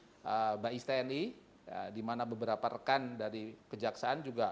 di mana berbicara tentang kejaksaan yang baik antara tni dan tni yang ada di bidang kejaksaan dan kejaksaan yang lainnya